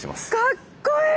かっこいい！